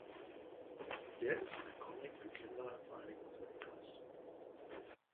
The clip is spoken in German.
Der ist ein Comic für Kinder im Vereinigten Königreich.